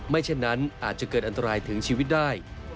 เช่นนั้นอาจจะเกิดอันตรายถึงชีวิตได้